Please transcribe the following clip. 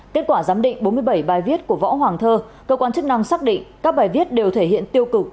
kết quả giám định bốn mươi bảy bài viết của võ hoàng thơ cơ quan chức năng xác định các bài viết đều thể hiện tiêu cực